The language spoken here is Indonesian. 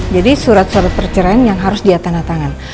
jadi surat surat perceraian yang harus dia tanda tangan